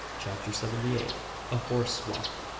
CHAPTER SEVENTY EIGHT. A HORSE SWOP.